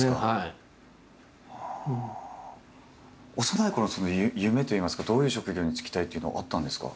幼いころの夢といいますかどういう職業に就きたいというのはあったんですか？